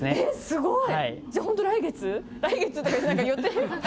すごい。